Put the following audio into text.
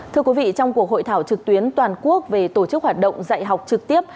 thưa quý vị trong cuộc hội thảo trực tuyến toàn quốc về tổ chức hoạt động dạy học trực tiếp